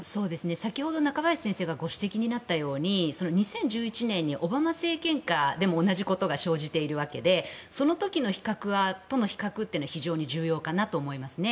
先ほど中林先生がご指摘になったように２０１１年にオバマ政権下でも同じことが生じているわけでその時との比較が非常に重要かなと思いますね。